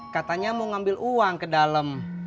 katanya mau ngambil uang ke dalam